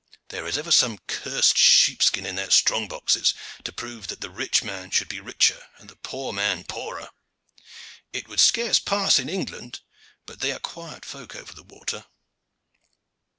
There is ever some cursed sheepskin in their strong boxes to prove that the rich man should be richer and the poor man poorer. It would scarce pass in England, but they are quiet folk over the water."